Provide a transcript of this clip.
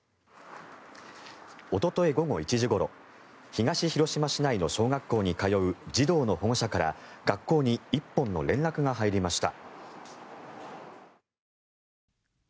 おととい午後１時ごろ東広島市内の小学校に通う児童の保護者から学校に１本の連絡が入りました。